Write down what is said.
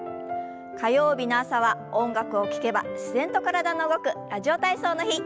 火曜日の朝は音楽を聞けば自然と体が動く「ラジオ体操」の日。